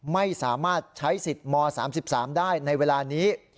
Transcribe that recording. ไม่สามารถใช้สิทธิ์ม๓๓ได้ในเวลานี้